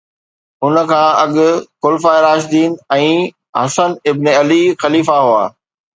ان کان اڳ خلفاء راشدين ۽ حسن ابن علي خليفا هئا